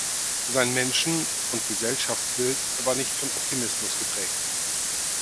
Sein Menschen- und Gesellschaftsbild war nicht von Optimismus geprägt.